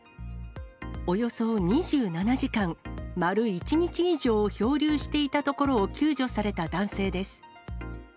およそ２７時間、丸１日以上、漂流していたところを救助された男性です。